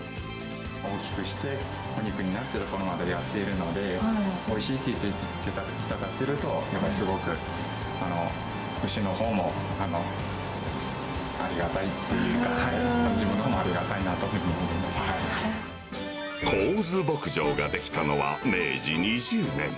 大きくして、お肉になってというところまでやっているので、おいしいと言っていただけると、すごく牛のほうもありがたいというか、自分のほうもありがたいな神津牧場が出来たのは、明治２０年。